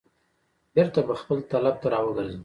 بیرته به خپل طلب ته را وګرځم.